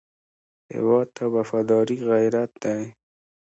هېواد ته وفاداري غیرت دی